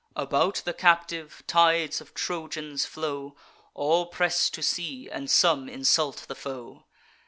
About the captive, tides of Trojans flow; All press to see, and some insult the foe.